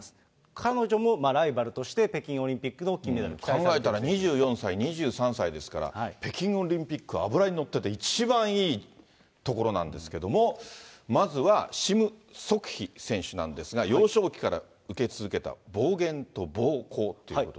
彼女もライバルとして北京オリンピックの金メダル。考えたら２４歳、２３歳ですから、北京オリンピック、脂にのってて、一番いいところなんですけれども、まずはシム・ソクヒ選手なんですが、幼少期から受け続けた暴言と暴行っていうことで。